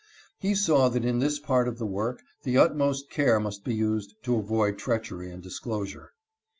He saw that in this part of the work the utmost care must be used to avoid treachery and disclosure.